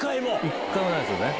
一回もないんですよね。